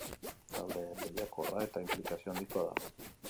Talde lehiakorra eta inplikazio handikoa da.